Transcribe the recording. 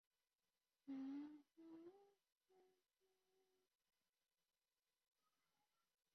后者娶天之瓮主神。